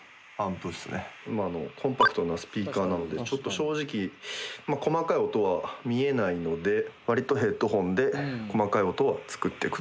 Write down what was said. まああのコンパクトなスピーカーなのでちょっと正直細かい音は見えないので割とヘッドホンで細かい音は作っていくと。